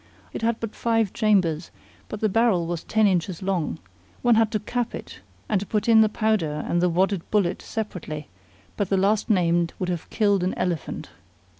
It had but five chambers, but the barrel was ten inches long; one had to cap it, and to put in the powder and the wadded bullet separately; but the last named would have killed an elephant.